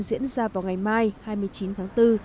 diễn ra vào ngày mai hai mươi chín tháng bốn